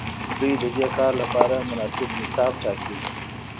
دوی ددې کار لپاره مناسب نصاب ټاکي.